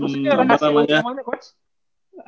maksudnya rahasia utamanya coach